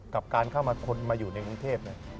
กับการเข้ามาคนมาอยู่ในกรุงเทพ